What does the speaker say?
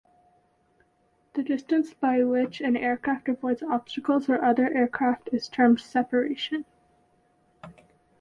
The distance by which an aircraft avoids obstacles or other aircraft is termed "separation".